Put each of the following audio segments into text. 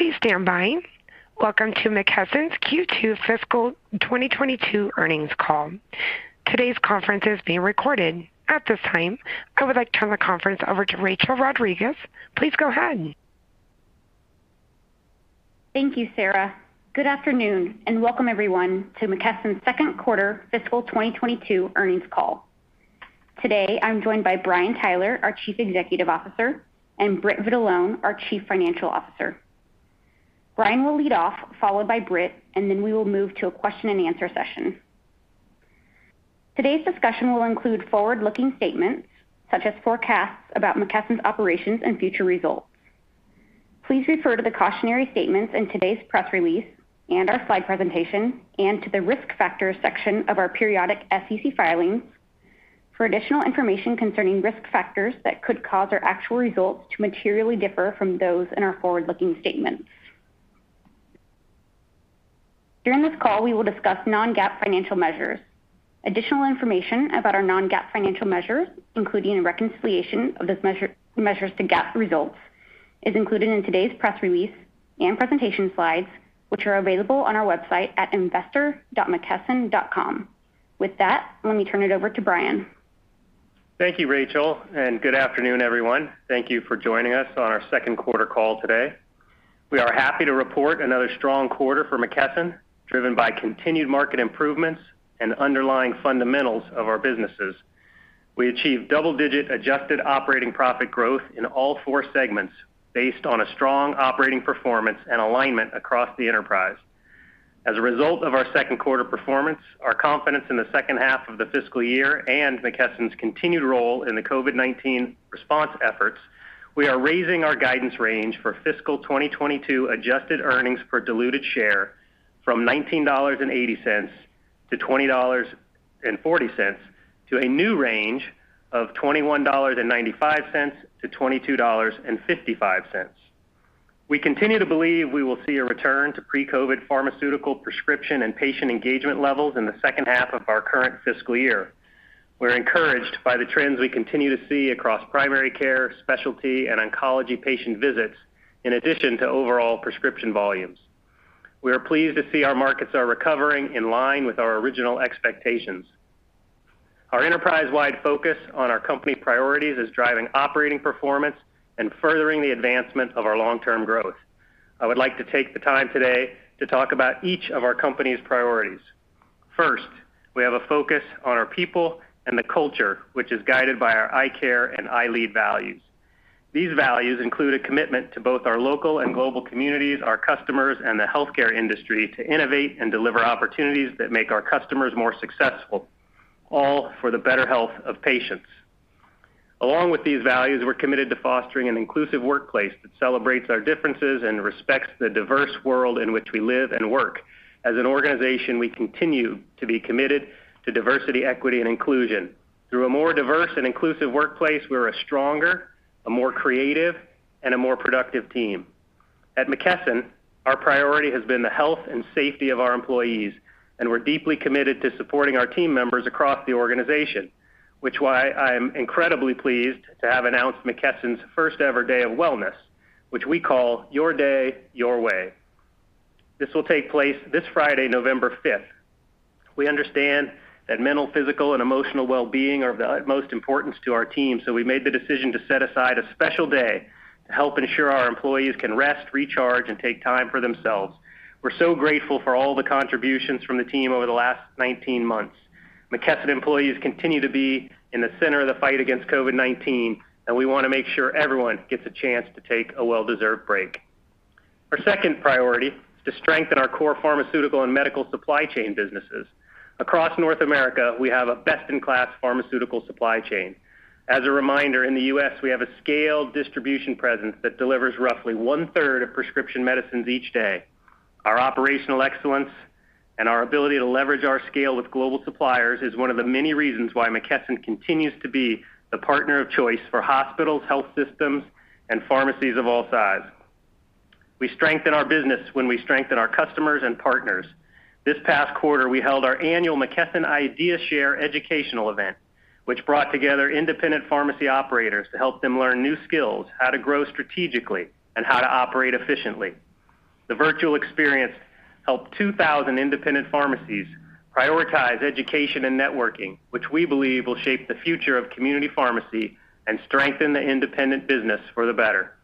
Please stand by. Welcome to McKesson's Q2 fiscal 2022 Earnings Call. Today's conference is being recorded. At this time, I would like to turn the conference over to Rachel Rodriguez. Please go ahead. Thank you, Sarah. Good afternoon, and welcome everyone to McKesson's Q2 fiscal 2022 earnings call. Today, I'm joined by Brian Tyler, our Chief Executive Officer, and Britt Vitalone, our Chief Financial Officer. Brian will lead off, followed by Britt, and then we will move to a question-and-answer session. Today's discussion will include forward-looking statements such as forecasts about McKesson's operations and future results. Please refer to the cautionary statements in today's press release and our slide presentation and to the Risk Factors section of our periodic SEC filings for additional information concerning risk factors that could cause our actual results to materially differ from those in our forward-looking statements. During this call, we will discuss non-GAAP financial measures. Additional information about our non-GAAP financial measures, including a reconciliation of those measures to GAAP results, is included in today's press release and presentation slides, which are available on our website at investor.mckesson.com. With that, let me turn it over to Brian. Thank you, Rachel, and good afternoon, everyone. Thank you for joining us on our Q2 call today. We are happy to report another strong quarter for McKesson, driven by continued market improvements and underlying fundamentals of our businesses. We achieved double-digit adjusted operating profit growth in all four segments based on a strong operating performance and alignment across the enterprise. As a result of our Q2 performance, our confidence in the second half of the fiscal year, and McKesson's continued role in the COVID-19 response efforts, we are raising our guidance range for fiscal 2022 adjusted earnings per diluted share from $19.80-$20.40 to a new range of $21.95-$22.55. We continue to believe we will see a return to pre-COVID pharmaceutical prescription and patient engagement levels in the second half of our current fiscal year. We're encouraged by the trends we continue to see across primary care, specialty, and oncology patient visits in addition to overall prescription volumes. We are pleased to see our markets are recovering in line with our original expectations. Our enterprise-wide focus on our company priorities is driving operating performance and furthering the advancement of our long-term growth. I would like to take the time today to talk about each of our company's priorities. First, we have a focus on our people and the culture, which is guided by our ICARE and ILEAD values. These values include a commitment to both our local and global communities, our customers, and the healthcare industry to innovate and deliver opportunities that make our customers more successful, all for the better health of patients. Along with these values, we're committed to fostering an inclusive workplace that celebrates our differences and respects the diverse world in which we live and work. As an organization, we continue to be committed to diversity, equity, and inclusion. Through a more diverse and inclusive workplace, we're a stronger, a more creative, and a more productive team. At McKesson, our priority has been the health and safety of our employees, and we're deeply committed to supporting our team members across the organization, which is why I'm incredibly pleased to have announced McKesson's first-ever day of wellness, which we call Your Day, Your Way. This will take place this Friday, 5 November. We understand that mental, physical, and emotional well-being are of the utmost importance to our team, so we made the decision to set aside a special day to help ensure our employees can rest, recharge, and take time for themselves. We're so grateful for all the contributions from the team over the last 19 months. McKesson employees continue to be in the center of the fight against COVID-19, and we wanna make sure everyone gets a chance to take a well-deserved break. Our second priority is to strengthen our core pharmaceutical and medical supply chain businesses. Across North America, we have a best-in-class pharmaceutical supply chain. As a reminder, in the U.S., we have a scaled distribution presence that delivers roughly one third of prescription medicines each day. Our operational excellence and our ability to leverage our scale with global suppliers is one of the many reasons why McKesson continues to be the partner of choice for hospitals, health systems, and pharmacies of all size. We strengthen our business when we strengthen our customers and partners. This past quarter, we held our annual McKesson ideaShare educational event, which brought together independent pharmacy operators to help them learn new skills, how to grow strategically, and how to operate efficiently. The virtual experience helped 2,000 independent pharmacies prioritize education and networking, which we believe will shape the future of community pharmacy and strengthen the independent business for the better.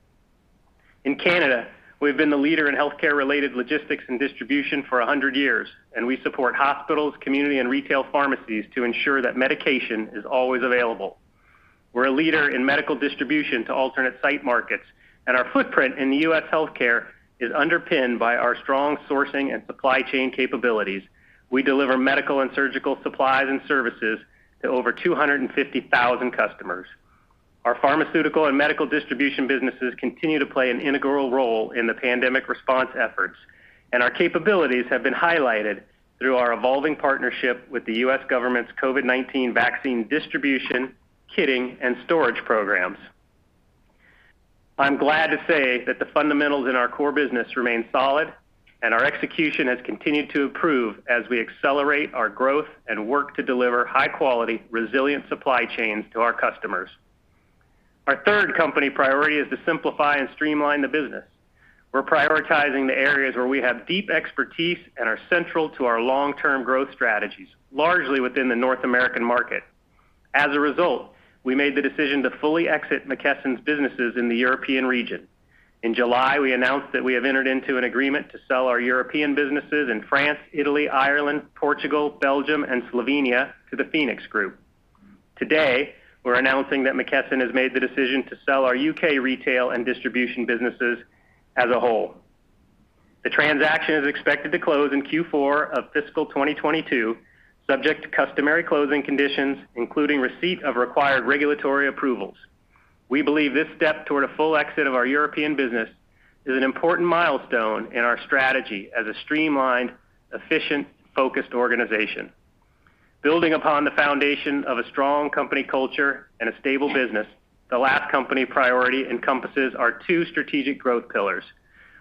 In Canada, we've been the leader in healthcare-related logistics and distribution for 100 years, and we support hospitals, community, and retail pharmacies to ensure that medication is always available. We're a leader in medical distribution to alternate site markets, and our footprint in the U.S. healthcare is underpinned by our strong sourcing and supply chain capabilities. We deliver medical and surgical supplies and services to over 250,000 customers. Our pharmaceutical and medical distribution businesses continue to play an integral role in the pandemic response efforts, and our capabilities have been highlighted through our evolving partnership with the U.S. government's COVID-19 vaccine distribution, kitting, and storage programs. I'm glad to say that the fundamentals in our core business remain solid. Our execution has continued to improve as we accelerate our growth and work to deliver high quality, resilient supply chains to our customers. Our third company priority is to simplify and streamline the business. We're prioritizing the areas where we have deep expertise and are central to our long-term growth strategies, largely within the North American market. As a result, we made the decision to fully exit McKesson's businesses in the European region. In July, we announced that we have entered into an agreement to sell our European businesses in France, Italy, Ireland, Portugal, Belgium, and Slovenia to The PHOENIX group. Today, we're announcing that McKesson has made the decision to sell our U.K. retail and distribution businesses as a whole. The transaction is expected to close in Q4 of fiscal 2022, subject to customary closing conditions, including receipt of required regulatory approvals. We believe this step toward a full exit of our European business is an important milestone in our strategy as a streamlined, efficient, focused organization. Building upon the foundation of a strong company culture and a stable business, the last company priority encompasses our two strategic growth pillars.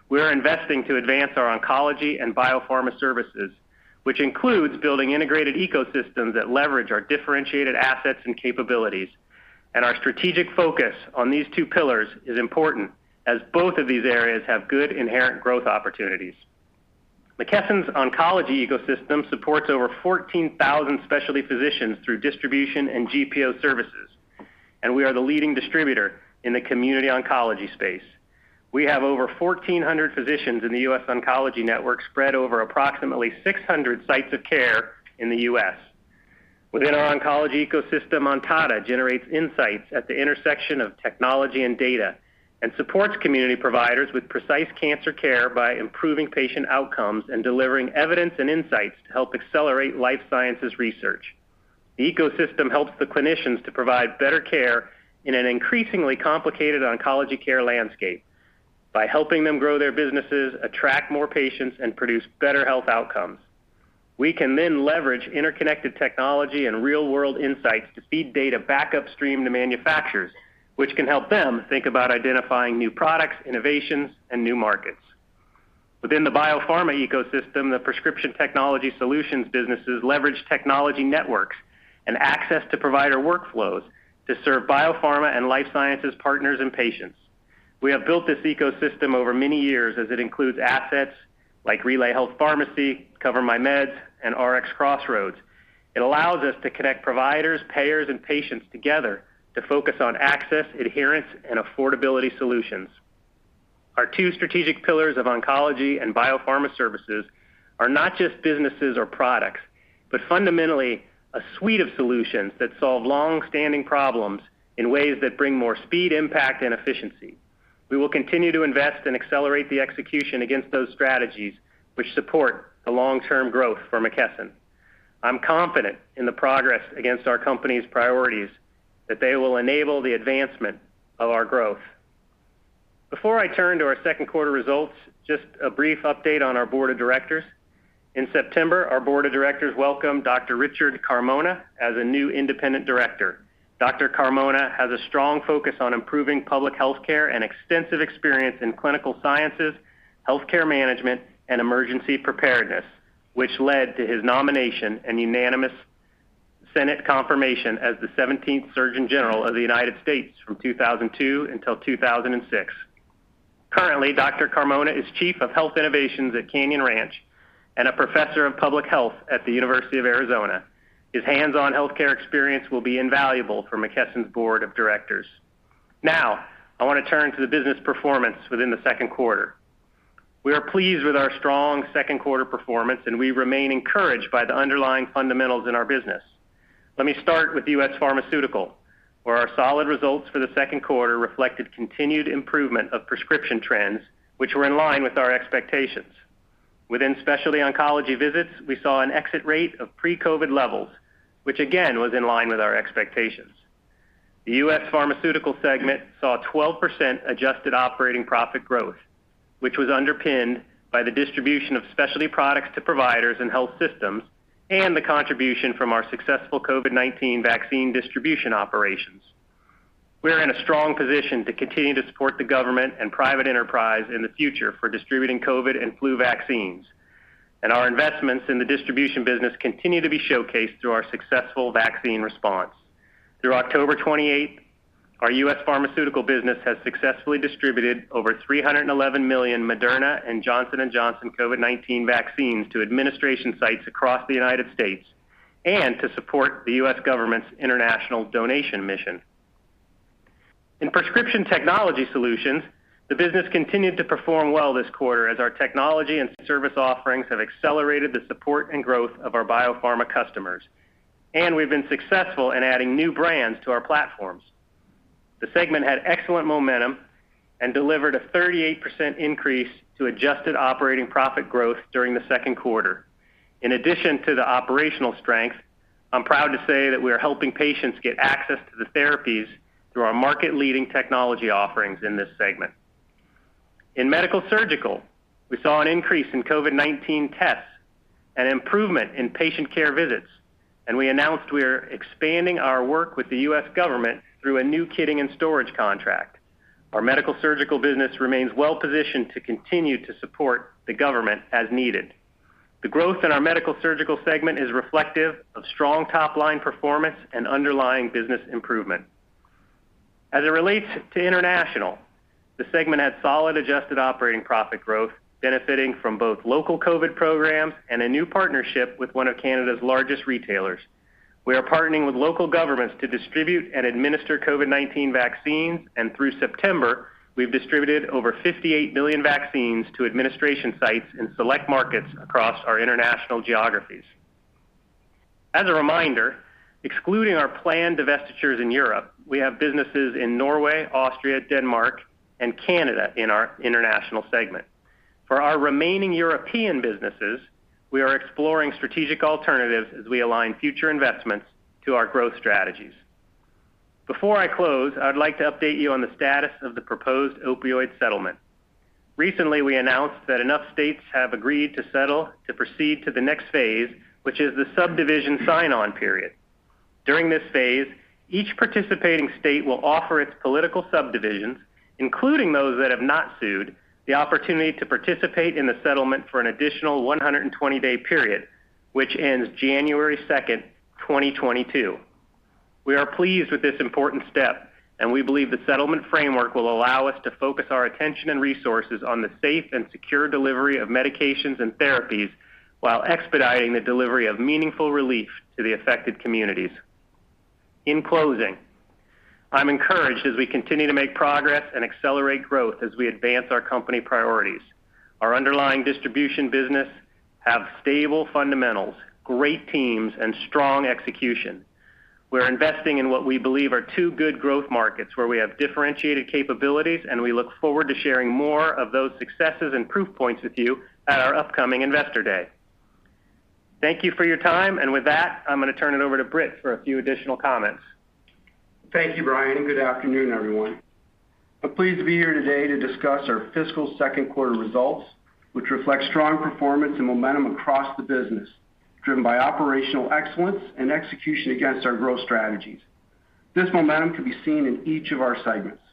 We are investing to advance our oncology and biopharma services, which includes building integrated ecosystems that leverage our differentiated assets and capabilities. Our strategic focus on these two pillars is important as both of these areas have good inherent growth opportunities. McKesson's oncology ecosystem supports over 14,000 specialty physicians through distribution and GPO services, and we are the leading distributor in the community oncology space. We have over 1,400 physicians in the US Oncology Network spread over approximately 600 sites of care in the US. Within our oncology ecosystem, Ontada generates insights at the intersection of technology and data and supports community providers with precise cancer care by improving patient outcomes and delivering evidence and insights to help accelerate life sciences research. The ecosystem helps the clinicians to provide better care in an increasingly complicated oncology care landscape by helping them grow their businesses, attract more patients, and produce better health outcomes. We can then leverage interconnected technology and real-world insights to feed data back upstream to manufacturers, which can help them think about identifying new products, innovations, and new markets. Within the biopharma ecosystem, the Prescription Technology Solutions businesses leverage technology networks and access to provider workflows to serve biopharma and life sciences partners and patients. We have built this ecosystem over many years as it includes assets like RelayHealth Pharmacy, CoverMyMeds, and RxCrossroads. It allows us to connect providers, payers, and patients together to focus on access, adherence, and affordability solutions. Our two strategic pillars of oncology and biopharma services are not just businesses or products, but fundamentally a suite of solutions that solve long-standing problems in ways that bring more speed, impact, and efficiency. We will continue to invest and accelerate the execution against those strategies which support the long-term growth for McKesson. I'm confident in the progress against our company's priorities that they will enable the advancement of our growth. Before I turn to our Q2 results, just a brief update on our board of directors. In September, our board of directors welcomed Dr. Richard Carmona as a new independent director. Dr. Carmona has a strong focus on improving public health care and extensive experience in clinical sciences, health care management, and emergency preparedness, which led to his nomination and unanimous Senate confirmation as the 17th Surgeon General of the United States from 2002 until 2006. Currently, Dr. Carmona is Chief of Health Innovation at Canyon Ranch and a Professor of Public Health at the University of Arizona. His hands-on health care experience will be invaluable for McKesson's board of directors. Now, I want to turn to the business performance within the second quarter. We are pleased with our strong Q2 performance, and we remain encouraged by the underlying fundamentals in our business. Let me start with U.S. Pharmaceutical, where our solid results for the Q2 reflected continued improvement of prescription trends, which were in line with our expectations. Within specialty oncology visits, we saw an exit rate of pre-COVID levels, which again was in line with our expectations. The U.S. Pharmaceutical segment saw 12% adjusted operating profit growth, which was underpinned by the distribution of specialty products to providers and health systems and the contribution from our successful COVID-19 vaccine distribution operations. We are in a strong position to continue to support the government and private enterprise in the future for distributing COVID and flu vaccines. Our investments in the distribution business continue to be showcased through our successful vaccine response. Through 28 October, our U.S. Pharmaceutical business has successfully distributed over 311 million Moderna and Johnson & Johnson COVID-19 vaccines to administration sites across the United States and to support the U.S. government's international donation mission. In Prescription Technology Solutions, the business continued to perform well this quarter as our technology and service offerings have accelerated the support and growth of our biopharma customers, and we've been successful in adding new brands to our platforms. The segment had excellent momentum and delivered a 38% increase to adjusted operating profit growth during the Q2. In addition to the operational strength, I'm proud to say that we are helping patients get access to the therapies through our market-leading technology offerings in this segment. In Medical-Surgical Solutions, we saw an increase in COVID-19 tests, an improvement in patient care visits, and we announced we are expanding our work with the U.S. government through a new kitting and storage contract. Our Medical-Surgical Solutions business remains well-positioned to continue to support the government as needed. The growth in our Medical-Surgical segment is reflective of strong top-line performance and underlying business improvement. As it relates to international, the segment had solid adjusted operating profit growth, benefiting from both local COVID programs and a new partnership with one of Canada's largest retailers. We are partnering with local governments to distribute and administer COVID-19 vaccines, and through September, we've distributed over 58 million vaccines to administration sites in select markets across our international geographies. As a reminder, excluding our planned divestitures in Europe, we have businesses in Norway, Austria, Denmark, and Canada in our international segment. For our remaining European businesses, we are exploring strategic alternatives as we align future investments to our growth strategies. Before I close, I'd like to update you on the status of the proposed opioid settlement. Recently, we announced that enough states have agreed to settle to proceed to the next phase, which is the subdivision sign-on period. During this phase, each participating state will offer its political subdivisions, including those that have not sued, the opportunity to participate in the settlement for an additional 120-day period, which ends 2 January 2022. We are pleased with this important step, and we believe the settlement framework will allow us to focus our attention and resources on the safe and secure delivery of medications and therapies while expediting the delivery of meaningful relief to the affected communities. In closing, I'm encouraged as we continue to make progress and accelerate growth as we advance our company priorities. Our underlying distribution business have stable fundamentals, great teams, and strong execution. We're investing in what we believe are two good growth markets where we have differentiated capabilities, and we look forward to sharing more of those successes and proof points with you at our upcoming Investor Day. Thank you for your time, and with that, I'm going to turn it over to Britt for a few additional comments. Thank you, Brian, and good afternoon, everyone. I'm pleased to be here today to discuss our fiscal Q2 results, which reflect strong performance and momentum across the business, driven by operational excellence and execution against our growth strategies. This momentum can be seen in each of our segments.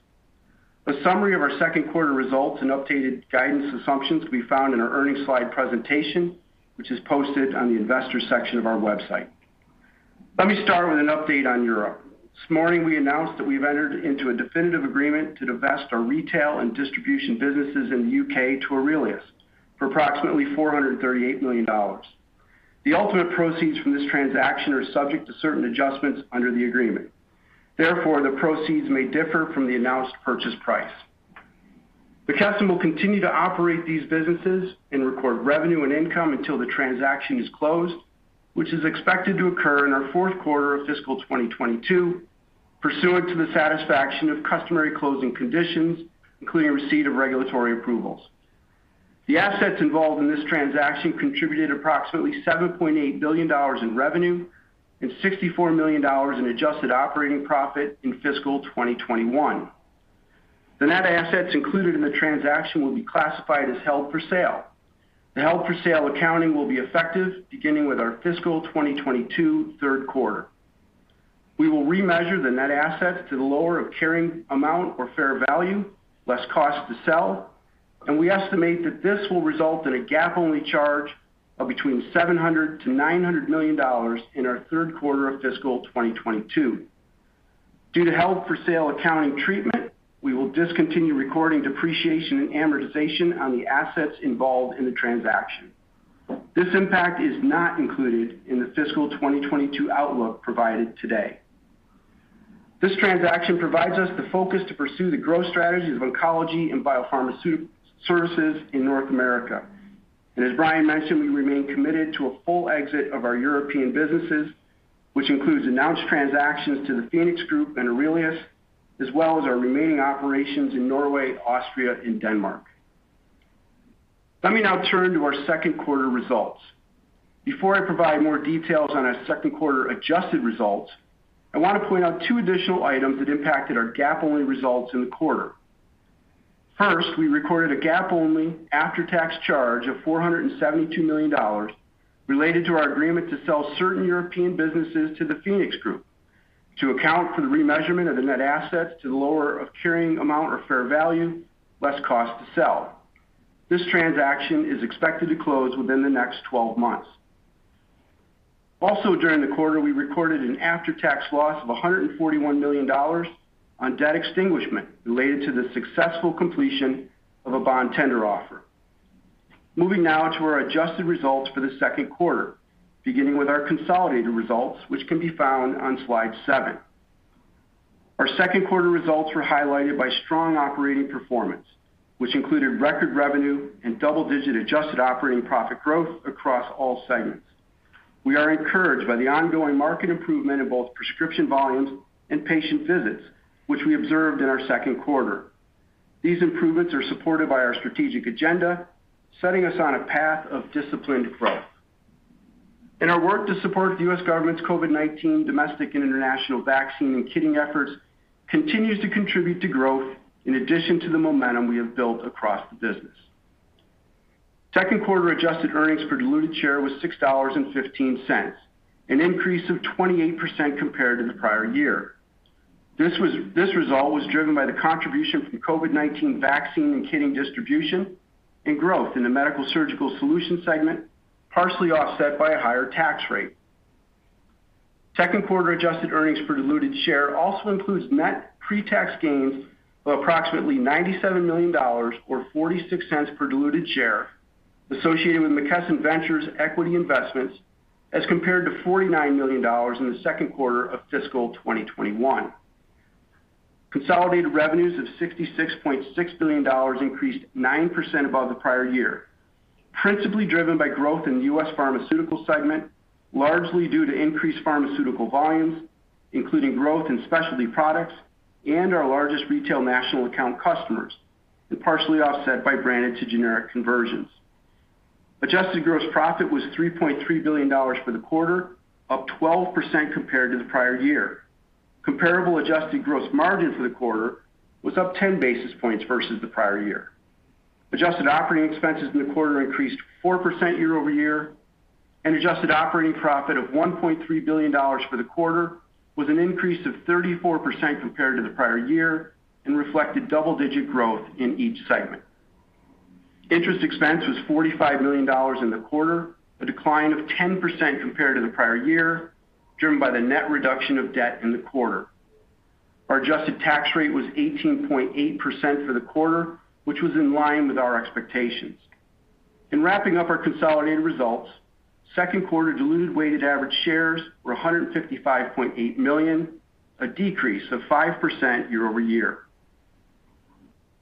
A summary of our Q2 results and updated guidance assumptions can be found in our earnings slide presentation, which is posted on the Investors section of our website. Let me start with an update on Europe. This morning, we announced that we've entered into a definitive agreement to divest our retail and distribution businesses in the U.K. to AURELIUS for approximately $438 million. The ultimate proceeds from this transaction are subject to certain adjustments under the agreement. Therefore, the proceeds may differ from the announced purchase price. McKesson will continue to operate these businesses and record revenue and income until the transaction is closed, which is expected to occur in our Q4 of fiscal 2022, pursuant to the satisfaction of customary closing conditions, including receipt of regulatory approvals. The assets involved in this transaction contributed approximately $7.8 billion in revenue and $64 million in adjusted operating profit in fiscal 2021. The net assets included in the transaction will be classified as held for sale. The held for sale accounting will be effective beginning with our fiscal 2022 Q3. We will remeasure the net assets to the lower of carrying amount or fair value, less cost to sell, and we estimate that this will result in a GAAP-only charge of between $700 million-$900 million in our Q3 of fiscal 2022. Due to held for sale accounting treatment, we will discontinue recording depreciation and amortization on the assets involved in the transaction. This impact is not included in the fiscal 2022 outlook provided today. This transaction provides us the focus to pursue the growth strategies of oncology and biopharmaceutical services in North America. As Brian mentioned, we remain committed to a full exit of our European businesses, which includes announced transactions to The PHOENIX group and AURELIUS, as well as our remaining operations in Norway, Austria, and Denmark. Let me now turn to our Q2 results. Before I provide more details on our Q2 adjusted results, I want to point out two additional items that impacted our GAAP-only results in the quarter. First, we recorded a GAAP-only after-tax charge of $472 million related to our agreement to sell certain European businesses to The PHOENIX group to account for the remeasurement of the net assets to the lower of carrying amount or fair value, less cost to sell. This transaction is expected to close within the next 12 months. Also during the quarter, we recorded an after-tax loss of $141 million on debt extinguishment related to the successful completion of a bond tender offer. Moving now to our adjusted results for the Q2, beginning with our consolidated results, which can be found on slide seven. Our Q2 results were highlighted by strong operating performance, which included record revenue and double-digit adjusted operating profit growth across all segments. We are encouraged by the ongoing market improvement in both prescription volumes and patient visits, which we observed in our Q2. These improvements are supported by our strategic agenda, setting us on a path of disciplined growth. Our work to support the U.S. government's COVID-19 domestic and international vaccine and kitting efforts continues to contribute to growth in addition to the momentum we have built across the business. Q2 adjusted earnings per diluted share was $6.15, an increase of 28% compared to the prior year. This result was driven by the contribution from COVID-19 vaccine and kitting distribution and growth in the Medical-Surgical Solutions segment, partially offset by a higher tax rate. Q2 adjusted earnings per diluted share also includes net pre-tax gains of approximately $97 million or $0.46 per diluted share associated with McKesson Ventures equity investments as compared to $49 million in the Q2 of fiscal 2021. Consolidated revenues of $66.6 billion increased 9% above the prior year, principally driven by growth in the U.S. Pharmaceutical segment, largely due to increased pharmaceutical volumes, including growth in specialty products and our largest retail national account customers, and partially offset by branded to generic conversions. Adjusted gross profit was $3.3 billion for the quarter, up 12% compared to the prior year. Comparable adjusted gross margin for the quarter was up 10 basis points versus the prior year. Adjusted operating expenses in the quarter increased 4% year-over-year, and adjusted operating profit of $1.3 billion for the quarter was an increase of 34% compared to the prior year and reflected double-digit growth in each segment. Interest expense was $45 million in the quarter, a decline of 10% compared to the prior year, driven by the net reduction of debt in the quarter. Our adjusted tax rate was 18.8% for the quarter, which was in line with our expectations. In wrapping up our consolidated results, Q2 diluted weighted average shares were $155.8 million, a decrease of 5% year-over-year.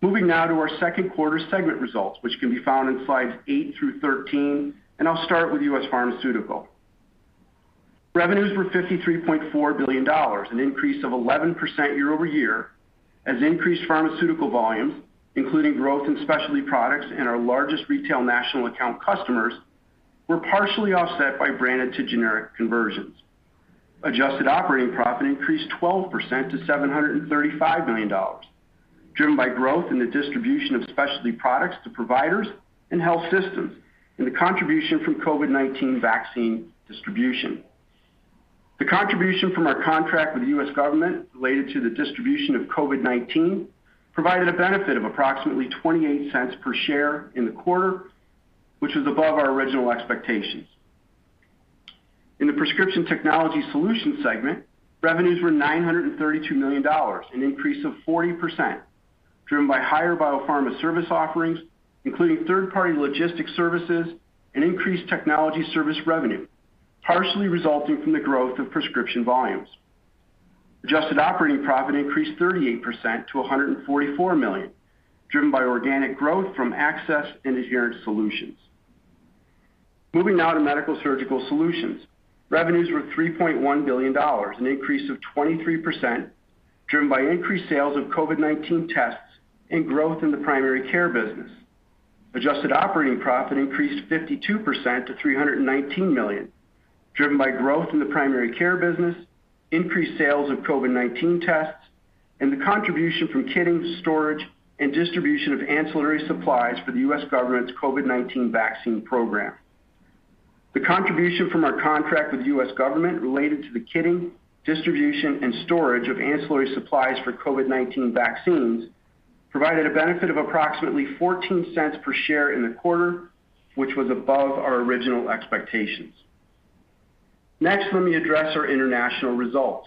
Moving now to our Q2 segment results, which can be found in slides eight through 13, and I'll start with U.S. Pharmaceutical. Revenues were $53.4 billion, an increase of 11% year-over-year, as increased pharmaceutical volumes, including growth in specialty products and our largest retail national account customers, were partially offset by branded to generic conversions. Adjusted operating profit increased 12% to $735 million, driven by growth in the distribution of specialty products to providers and health systems and the contribution from COVID-19 vaccine distribution. The contribution from our contract with the U.S. government related to the distribution of COVID-19 provided a benefit of approximately $0.28 per share in the quarter, which was above our original expectations. In the Prescription Technology Solutions segment, revenues were $932 million, an increase of 40%, driven by higher biopharma service offerings, including third-party logistics services and increased technology service revenue, partially resulting from the growth of prescription volumes. Adjusted operating profit increased 38% to $144 million, driven by organic growth from access and adherence solutions. Moving now to Medical-Surgical Solutions. Revenues were $3.1 billion, an increase of 23%, driven by increased sales of COVID-19 tests and growth in the primary care business. Adjusted operating profit increased 52% to $319 million, driven by growth in the primary care business, increased sales of COVID-19 tests, and the contribution from kitting, storage, and distribution of ancillary supplies for the U.S. government's COVID-19 vaccine program. The contribution from our contract with the U.S. government related to the kitting, distribution, and storage of ancillary supplies for COVID-19 vaccines provided a benefit of approximately $0.14 per share in the quarter, which was above our original expectations. Next, let me address our international results.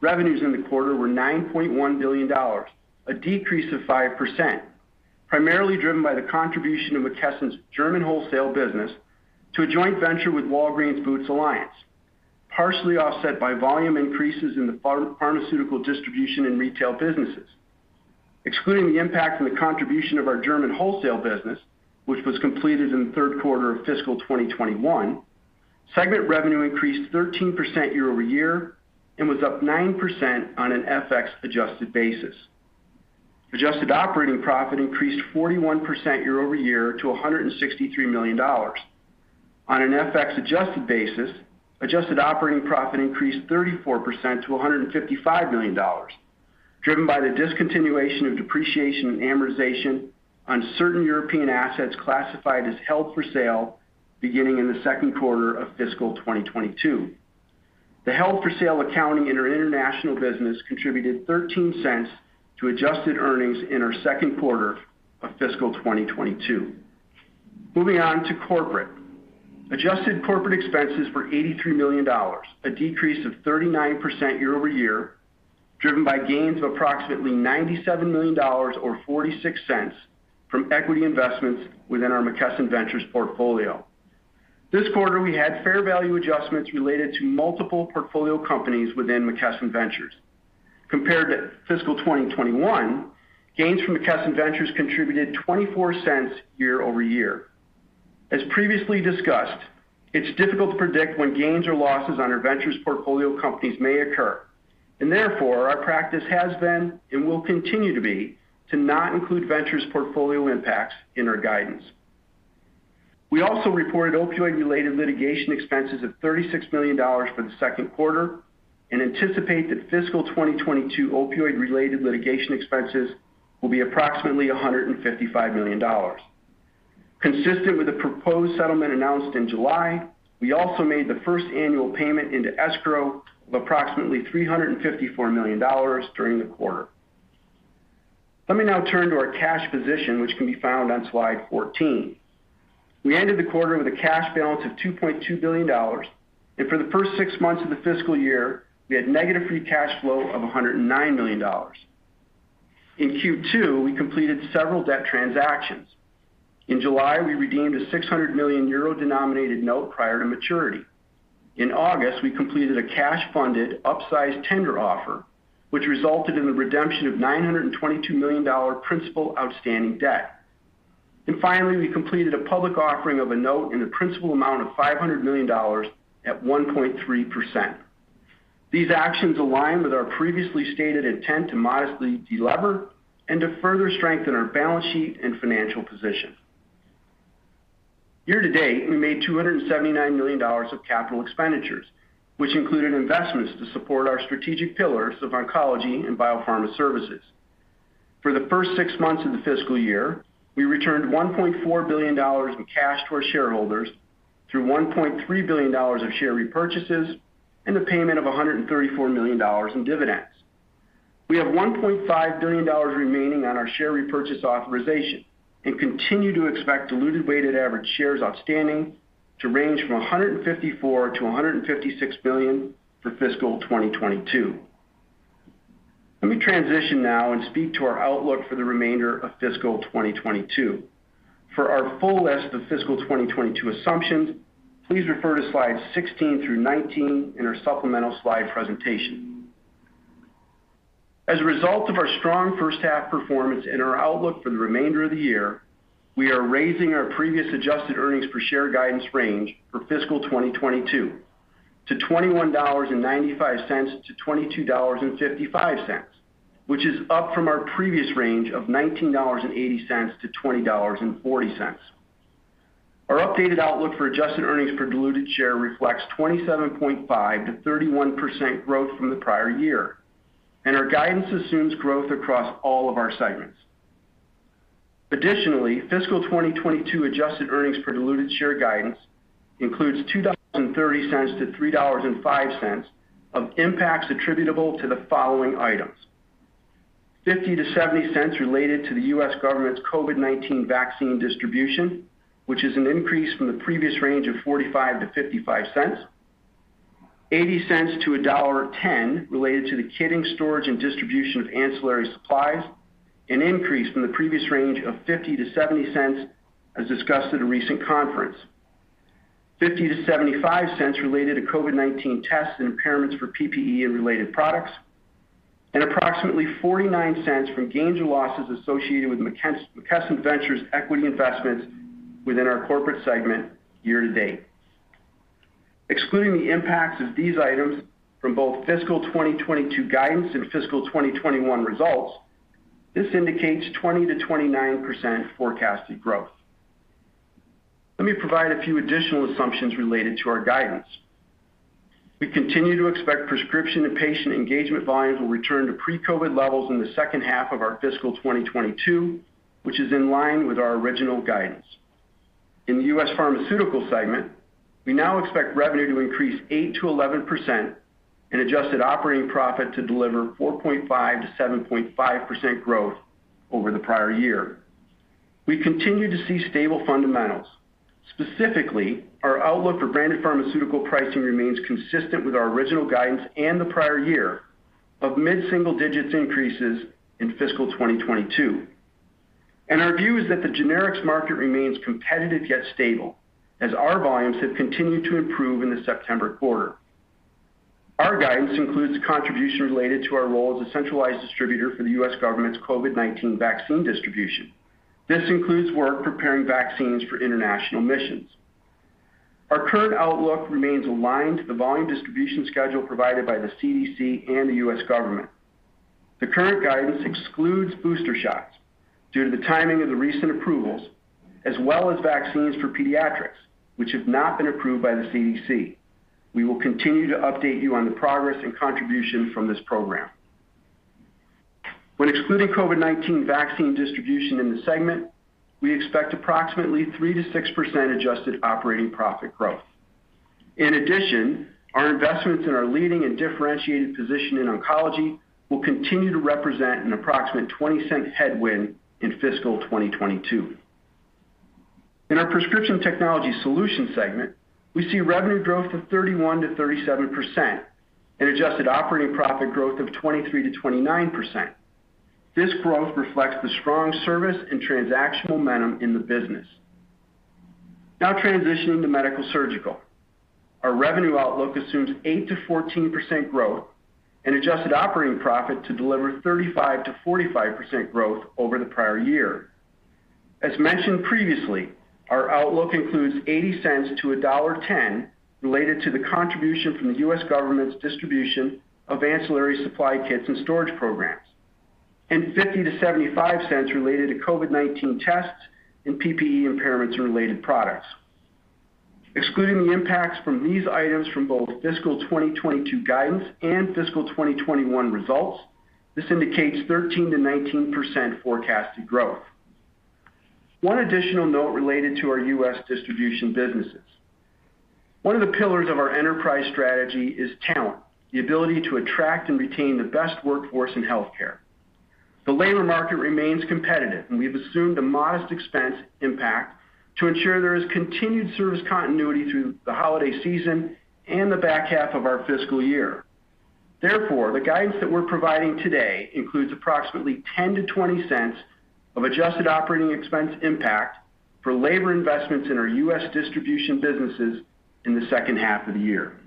Revenues in the quarter were $9.1 billion, a decrease of 5%, primarily driven by the contribution of McKesson's German wholesale business to a joint venture with Walgreens Boots Alliance, partially offset by volume increases in the pharmaceutical distribution and retail businesses. Excluding the impact from the contribution of our German wholesale business, which was completed in the Q3 of fiscal 2021, segment revenue increased 13% year-over-year and was up 9% on an FX-adjusted basis. Adjusted operating profit increased 41% year-over-year to $163 million. On an FX-adjusted basis, adjusted operating profit increased 34% to $155 million, driven by the discontinuation of depreciation and amortization on certain European assets classified as held for sale beginning in the Q2 of fiscal 2022. The held for sale accounting in our international business contributed $0.13 to adjusted earnings in our Q2 of fiscal 2022. Moving on to corporate. Adjusted corporate expenses were $83 million, a decrease of 39% year-over-year, driven by gains of approximately $97 million or $0.46 from equity investments within our McKesson Ventures portfolio. This quarter, we had fair value adjustments related to multiple portfolio companies within McKesson Ventures. Compared to fiscal 2021, gains from McKesson Ventures contributed $0.24 year-over-year. As previously discussed, it's difficult to predict when gains or losses on our Ventures portfolio companies may occur. Therefore, our practice has been and will continue to be to not include ventures portfolio impacts in our guidance. We also reported opioid-related litigation expenses of $36 million for the Q2 and anticipate that fiscal 2022 opioid-related litigation expenses will be approximately $155 million. Consistent with the proposed settlement announced in July, we also made the first annual payment into escrow of approximately $354 million during the quarter. Let me now turn to our cash position, which can be found on slide 14. We ended the quarter with a cash balance of $2.2 billion, and for the first six months of the fiscal year, we had negative free cash flow of $109 million. In Q2, we completed several debt transactions. In July, we redeemed a 600 million euro-denominated note prior to maturity. In August, we completed a cash-funded, upsized tender offer, which resulted in the redemption of $922 million principal outstanding debt. Finally, we completed a public offering of a note in the principal amount of $500 million at 1.3%. These actions align with our previously stated intent to modestly delever and to further strengthen our balance sheet and financial position. Year to date, we made $279 million of capital expenditures, which included investments to support our strategic pillars of oncology and biopharma services. For the first six months of the fiscal year, we returned $1.4 billion in cash to our shareholders through $1.3 billion of share repurchases and the payment of $134 million in dividends. We have $1.5 billion remaining on our share repurchase authorization and continue to expect diluted weighted average shares outstanding to range from $154 million-$156 million for fiscal 2022. Let me transition now and speak to our outlook for the remainder of fiscal 2022. For our full list of fiscal 2022 assumptions, please refer to slides 16 through 19 in our supplemental slide presentation. As a result of our strong first half performance and our outlook for the remainder of the year, we are raising our previous adjusted earnings per share guidance range for fiscal 2022 to $21.95-$22.55, which is up from our previous range of $19.80-$20.40. Our updated outlook for adjusted earnings per diluted share reflects 27.5%-31% growth from the prior year, and our guidance assumes growth across all of our segments. Additionally, fiscal 2022 adjusted earnings per diluted share guidance includes $2.30-$3.05 of impacts attributable to the following items. $0.50-$0.70 related to the U.S. government's COVID-19 vaccine distribution, which is an increase from the previous range of $0.45-$0.55. $0.80-$1.10 related to the kitting, storage, and distribution of ancillary supplies, an increase from the previous range of $0.50-$0.70, as discussed at a recent conference. $0.50-$0.75 related to COVID-19 tests and impairments for PPE and related products. Approximately $0.49 from gains or losses associated with McKesson Ventures equity investments within our Corporate segment year to date. Excluding the impacts of these items from both fiscal 2022 guidance and fiscal 2021 results, this indicates 20%-29% forecasted growth. Let me provide a few additional assumptions related to our guidance. We continue to expect prescription and patient engagement volumes will return to pre-COVID-19 levels in the second half of our fiscal 2022, which is in line with our original guidance. In the U.S. Pharmaceutical segment, we now expect revenue to increase 8%-11% and adjusted operating profit to deliver 4.5%-7.5% growth over the prior year. We continue to see stable fundamentals. Specifically, our outlook for branded pharmaceutical pricing remains consistent with our original guidance and the prior year of mid-single digits increases in fiscal 2022. Our view is that the generics market remains competitive yet stable as our volumes have continued to improve in the September quarter. Our guidance includes contribution related to our role as a centralized distributor for the U.S. government's COVID-19 vaccine distribution. This includes work preparing vaccines for international missions. Our current outlook remains aligned to the volume distribution schedule provided by the CDC and the U.S. government. The current guidance excludes booster shots due to the timing of the recent approvals, as well as vaccines for pediatrics, which have not been approved by the CDC. We will continue to update you on the progress and contribution from this program. When excluding COVID-19 vaccine distribution in the segment, we expect approximately 3%-6% adjusted operating profit growth. In addition, our investments in our leading and differentiated position in oncology will continue to represent an approximate $0.20 headwind in fiscal 2022. In our Prescription Technology Solutions segment, we see revenue growth of 31%-37% and adjusted operating profit growth of 23%-29%. This growth reflects the strong service and transaction momentum in the business. Now transitioning to Medical-Surgical Solutions. Our revenue outlook assumes 8%-14% growth and adjusted operating profit to deliver 35%-45% growth over the prior year. As mentioned previously, our outlook includes $0.80-$1.10 related to the contribution from the U.S. government's distribution of ancillary supply kits and storage programs, and $0.50-$0.75 related to COVID-19 tests and PPE impairments or related products. Excluding the impacts from these items from both fiscal 2022 guidance and fiscal 2021 results, this indicates 13%-19% forecasted growth. One additional note related to our U.S. distribution businesses. One of the pillars of our enterprise strategy is talent, the ability to attract and retain the best workforce in healthcare. The labor market remains competitive, and we have assumed a modest expense impact to ensure there is continued service continuity through the holiday season and the back half of our fiscal year. Therefore, the guidance that we're providing today includes approximately $0.10-$0.20 of adjusted operating expense impact for labor investments in our U.S. distribution businesses in the second half of the year.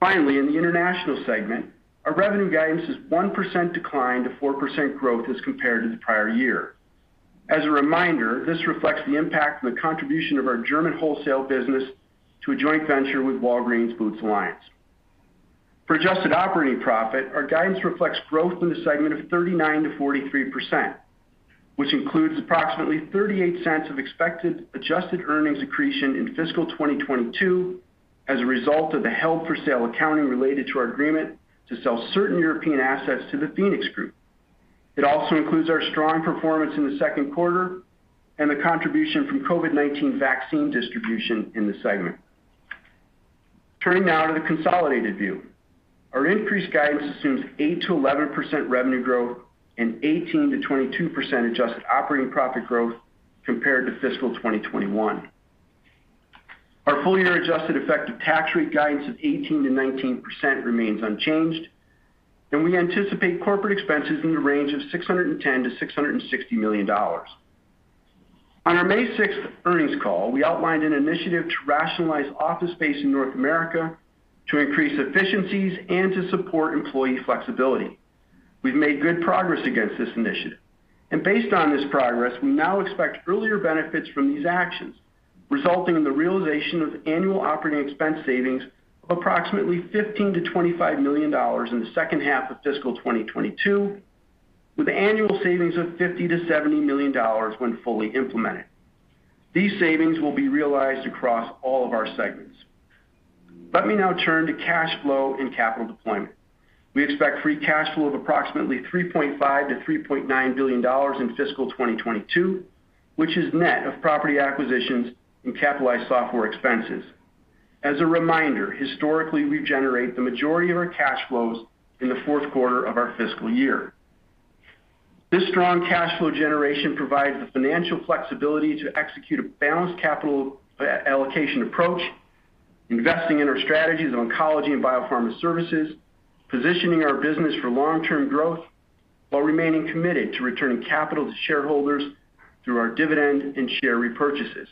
Finally, in the international segment, our revenue guidance is 1% decline to 4% growth as compared to the prior year. As a reminder, this reflects the impact of the contribution of our German wholesale business to a joint venture with Walgreens Boots Alliance. For adjusted operating profit, our guidance reflects growth in the segment of 39%-43%, which includes approximately $0.38 of expected adjusted earnings accretion in fiscal 2022 as a result of the held-for-sale accounting related to our agreement to sell certain European assets to The PHOENIX group. It also includes our strong performance in the Q2 and the contribution from COVID-19 vaccine distribution in the segment. Turning now to the consolidated view. Our increased guidance assumes 8%-11% revenue growth and 18%-22% adjusted operating profit growth compared to fiscal 2021. Our full year adjusted effective tax rate guidance of 18%-19% remains unchanged, and we anticipate corporate expenses in the range of $610 million-$660 million. On our 6 May earnings call, we outlined an initiative to rationalize office space in North America to increase efficiencies and to support employee flexibility. We've made good progress against this initiative. Based on this progress, we now expect earlier benefits from these actions, resulting in the realization of annual operating expense savings of approximately $15 million-$25 million in the second half of fiscal 2022, with annual savings of $50 million-$70 million when fully implemented. These savings will be realized across all of our segments. Let me now turn to cash flow and capital deployment. We expect free cash flow of approximately $3.5 billion-$3.9 billion in fiscal 2022, which is net of property acquisitions and capitalized software expenses. As a reminder, historically, we generate the majority of our cash flows in the Q4 of our fiscal year. This strong cash flow generation provides the financial flexibility to execute a balanced capital allocation approach, investing in our strategies in oncology and biopharma services, positioning our business for long-term growth while remaining committed to returning capital to shareholders through our dividend and share repurchases.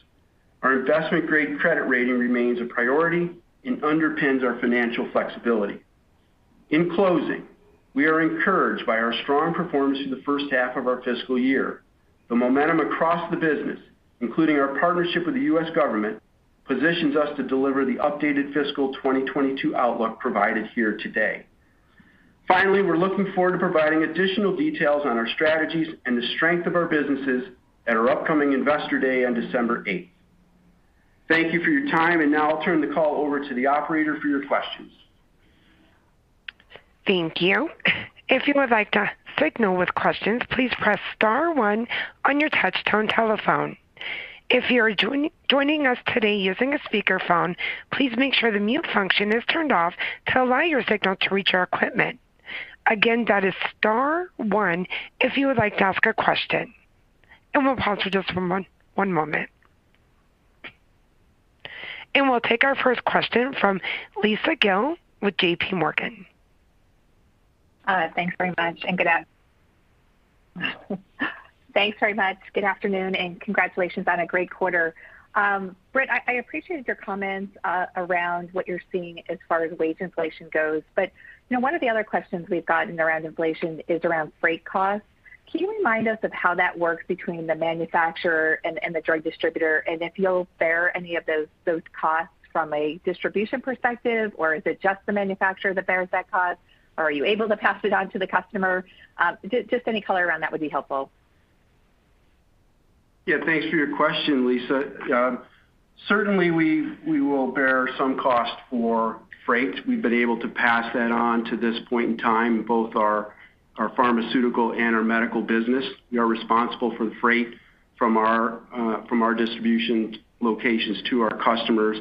Our investment-grade credit rating remains a priority and underpins our financial flexibility. In closing, we are encouraged by our strong performance in the first half of our fiscal year. The momentum across the business, including our partnership with the U.S. government, positions us to deliver the updated fiscal 2022 outlook provided here today. Finally, we're looking forward to providing additional details on our strategies and the strength of our businesses at our upcoming Investor Day on 8 December. Thank you for your time. Now I'll turn the call over to the operator for your questions. Thank you. If you would like to signal with questions, please press star one on your touchtone telephone. If you're joining us today using a speakerphone, please make sure the mute function is turned off to allow your signal to reach our equipment. Again, that is star one if you would like to ask a question. We'll pause for just one moment. We'll take our first question from Lisa Gill with JPMorgan. Thanks very much. Good afternoon, and congratulations on a great quarter. I appreciated your comments around what you're seeing as far as wage inflation goes. You know, one of the other questions we've gotten around inflation is around freight costs. Can you remind us of how that works between the manufacturer and the drug distributor? And if you'll bear any of those costs from a distribution perspective, or is it just the manufacturer that bears that cost? Or are you able to pass it on to the customer? Just any color around that would be helpful. Yeah. Thanks for your question, Lisa. Certainly, we will bear some cost for freight. We've been able to pass that on to this point in time, both our pharmaceutical and our medical business. We are responsible for the freight from our distribution locations to our customers.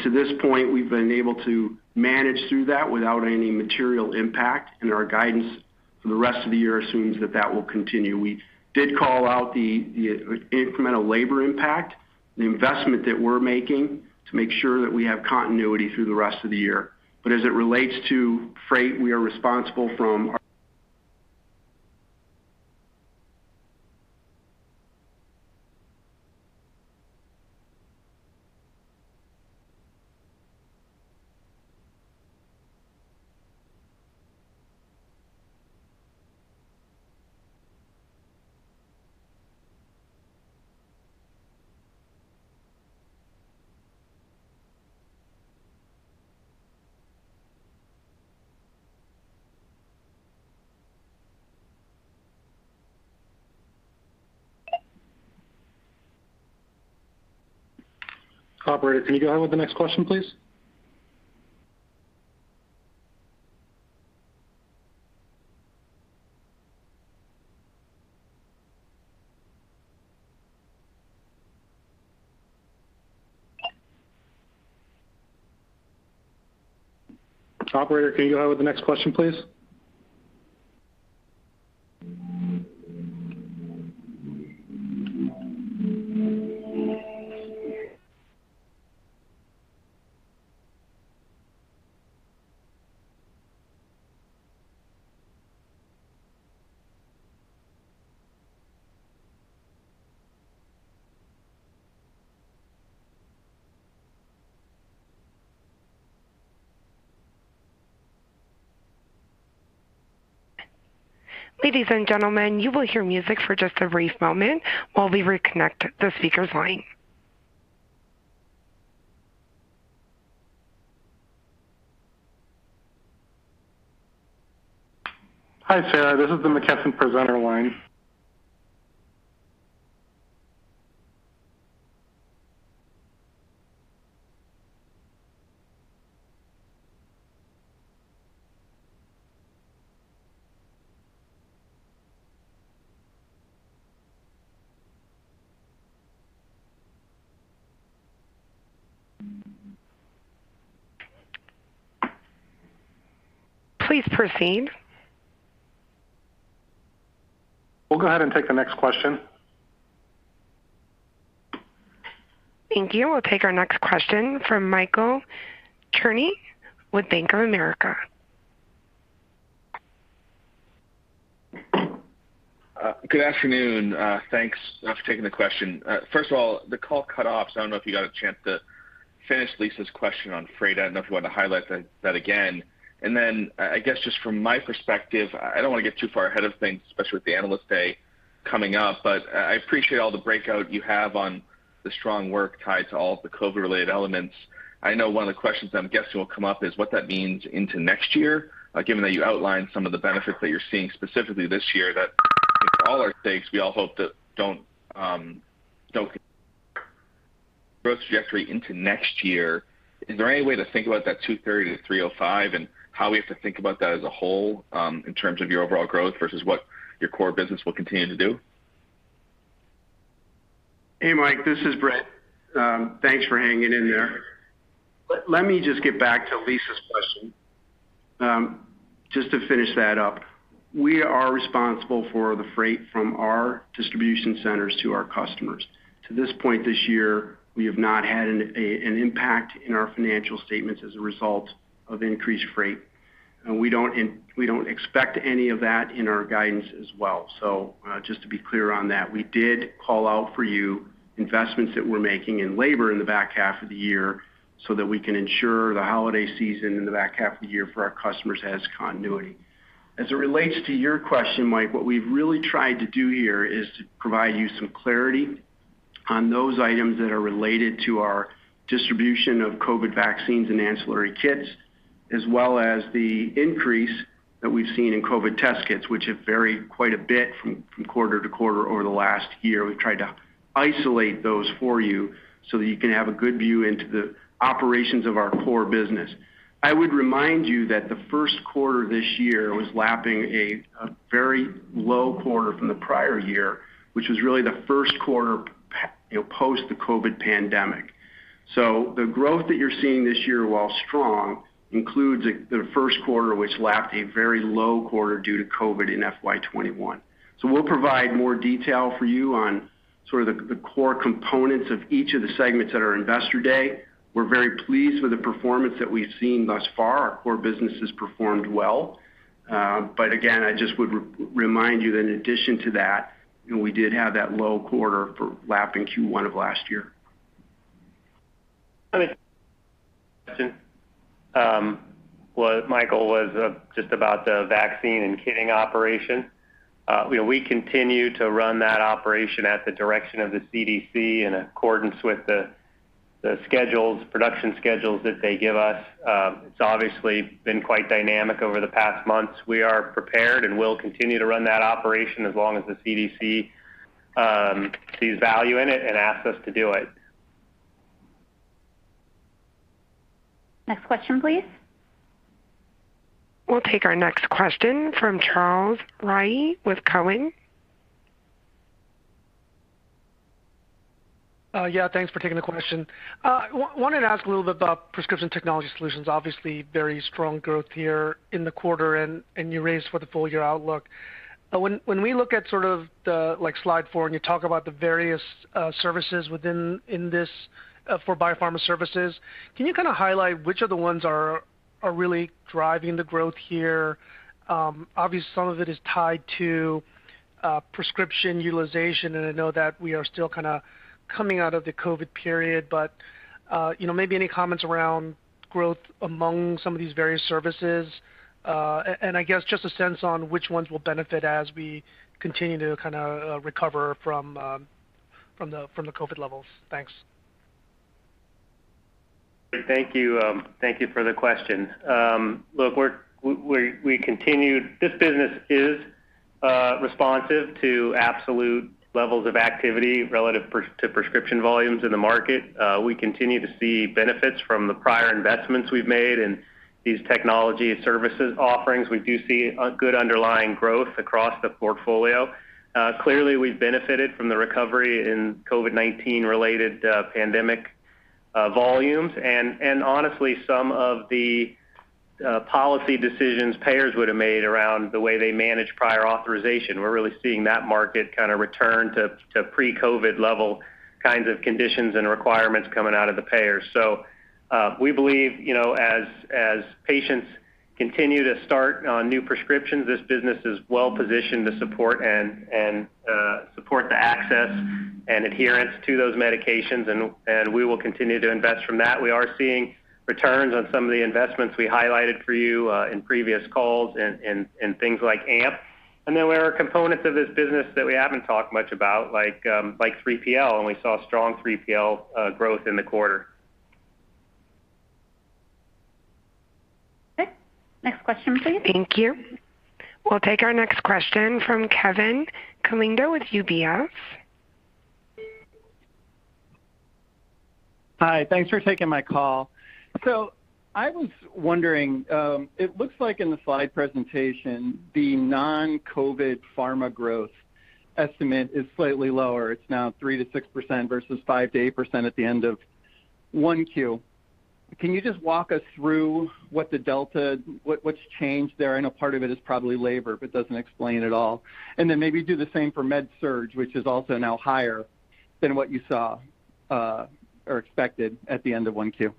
To this point, we've been able to manage through that without any material impact, and our guidance for the rest of the year assumes that that will continue. We did call out the incremental labor impact, the investment that we're making to make sure that we have continuity through the rest of the year. As it relates to freight, we are responsible from our— Operator, can you go ahead with the next question, please? Ladies and gentlemen, you will hear music for just a brief moment while we reconnect the speaker's line. Hi, Sarah. This is the McKesson presenter line. Please proceed. We'll go ahead and take the next question. Thank you. We'll take our next question from Michael Cherny with Bank of America. Good afternoon. Thanks for taking the question. First of all, the call cut off, so I don't know if you got a chance to finish Lisa's question on freight. I don't know if you want to highlight that again. I guess just from my perspective, I don't want to get too far ahead of things, especially with the Analyst Day coming up, but I appreciate all the breakout you have on the strong work tied to all of the COVID-related elements. I know one of the questions that I'm guessing will come up is what that means into next year. Given that you outlined some of the benefits that you're seeing specifically this year that for all our sakes we all hope that don't growth trajectory into next year. Is there any way to think about that 2.30%-3.05% and how we have to think about that as a whole, in terms of your overall growth versus what your core business will continue to do? Hey, Mike, this is Britt. Thanks for hanging in there. Let me just get back to Lisa's question, just to finish that up. We are responsible for the freight from our distribution centers to our customers. To this point this year, we have not had an impact in our financial statements as a result of increased freight. We don't expect any of that in our guidance as well. Just to be clear on that, we did call out for you investments that we're making in labor in the back half of the year so that we can ensure the holiday season in the back half of the year for our customers has continuity. As it relates to your question, Mike, what we've really tried to do here is to provide you some clarity on those items that are related to our distribution of COVID vaccines and ancillary kits, as well as the increase that we've seen in COVID test kits, which have varied quite a bit from quarter to quarter over the last year. We've tried to isolate those for you so that you can have a good view into the operations of our core business. I would remind you that the Q1 this year was lapping a very low quarter from the prior year, which was really the first quarter you know, post the COVID pandemic. The growth that you're seeing this year, while strong, includes the Q1 which lapped a very low quarter due to COVID in FY 2021. We'll provide more detail for you on sort of the core components of each of the segments at our Investor Day. We're very pleased with the performance that we've seen thus far. Our core business has performed well. Again, I just would remind you that in addition to that, you know, we did have that low quarter for lapping Q1 of last year. What Michael was just about the vaccine and kitting operation. You know, we continue to run that operation at the direction of the CDC in accordance with the schedules, production schedules that they give us. It's obviously been quite dynamic over the past months. We are prepared and will continue to run that operation as long as the CDC sees value in it and asks us to do it. Next question, please. We'll take our next question from Charles Rhyee with TD Cowen. Yeah, thanks for taking the question. Wanted to ask a little bit about Prescription Technology Solutions. Obviously, very strong growth here in the quarter and you raised for the full year outlook. When we look at sort of the like slide four, and you talk about the various services within this for biopharma services, can you kind of highlight which of the ones are really driving the growth here. Obviously, some of it is tied to prescription utilization, and I know that we are still kinda coming out of the COVID period. You know, maybe any comments around growth among some of these various services. And I guess just a sense on which ones will benefit as we continue to kinda recover from the COVID levels. Thanks. Thank you. Thank you for the question. Look, this business is responsive to absolute levels of activity relative to prescription volumes in the market. We continue to see benefits from the prior investments we've made in these technology services offerings. We do see a good underlying growth across the portfolio. Clearly, we've benefited from the recovery in COVID-19 related pandemic volumes. Honestly, some of the policy decisions payers would have made around the way they manage prior authorization. We're really seeing that market kind of return to pre-COVID level kinds of conditions and requirements coming out of the payers. We believe, you know, as patients continue to start on new prescriptions, this business is well-positioned to support and support the access and adherence to those medications, and we will continue to invest from that. We are seeing returns on some of the investments we highlighted for you in previous calls in things like AMP. There are components of this business that we haven't talked much about, like 3PL, and we saw strong 3PL growth in the quarter. Okay, next question please. Thank you. We'll take our next question from Kevin Caliendo with UBS. Hi. Thanks for taking my call. I was wondering, it looks like in the slide presentation, the non-COVID pharma growth estimate is slightly lower. It's now 3%-6% versus 5%-8% at the end of Q1. Can you just walk us through what's changed there? I know part of it is probably labor, but it doesn't explain it all. Maybe do the same for med surge, which is also now higher than what you saw or expected at the end of Q1.